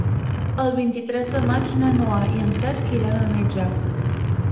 El vint-i-tres de maig na Noa i en Cesc iran al metge.